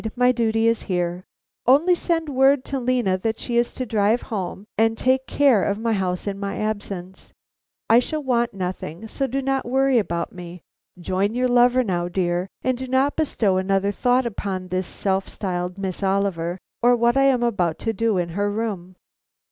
"My duty is here. Only send word to Lena that she is to drive home and take care of my house in my absence. I shall want nothing, so do not worry about me. Join your lover now, dear; and do not bestow another thought upon this self styled Miss Oliver or what I am about to do in her room."